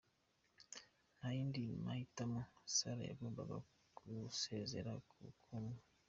Nta yandi mahitamo, Sarah yagombaga gusezera ku bukumi .